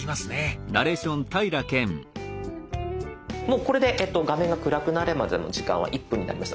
もうこれで画面が暗くなるまでの時間は１分になりました。